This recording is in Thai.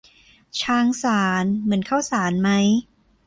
ช้างสาร เหมือนข้าวสารไหม